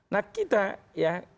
nah kita ya